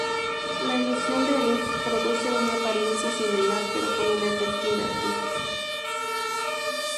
La ilusión de Hering produce una apariencia similar, pero con un efecto invertido.